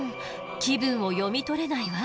気分を読み取れないわ。